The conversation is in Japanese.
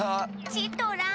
チトラン！